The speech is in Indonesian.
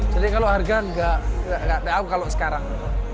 jadi kalau harga enggak enggak tahu kalau sekarang